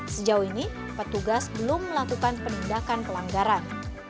sejauh ini petugas belum melakukan penindakan pelanggaran